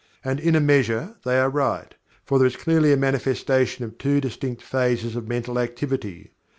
And in a measure they are right, for there is clearly a manifestation of two distinct phases of mental activity.